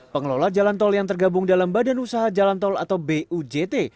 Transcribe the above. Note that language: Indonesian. pengelola jalan tol yang tergabung dalam badan usaha jalan tol atau bujt